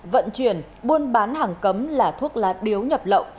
vận chuyển buôn bán hàng cấm là thuốc lá điếu nhập lậu